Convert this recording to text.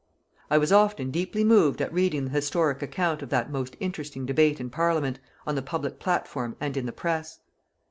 I was often deeply moved at reading the historic account of that most interesting debate in Parliament, on the public platform and in the press.